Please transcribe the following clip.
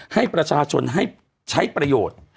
ให้ประชาชนให้ใช้ประโยชน์